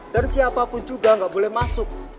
dan siapapun juga gak boleh masuk